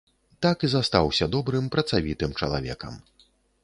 Так і застаўся добрым працавітым чалавекам.